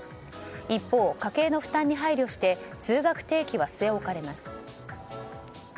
一方、家計の負担に配慮して通学定期は据え置かれます。